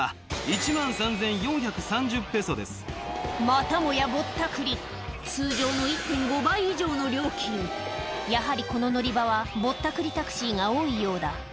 またもやぼったくり通常の１．５倍以上の料金やはりこの乗り場はぼったくりタクシーが多いようだ